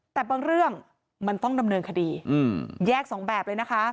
แต่บางเรื่องมันต้องดำเนินคดีแยกสองแบบเลยนะคะ